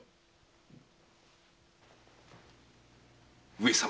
上様。